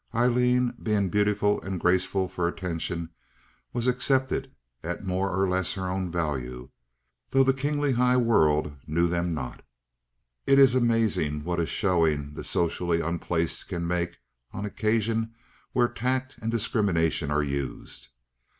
Aileen being beautiful and graceful for attention, was accepted at more or less her own value, though the kingly high world knew them not. It is amazing what a showing the socially unplaced can make on occasion where tact and discrimination are used.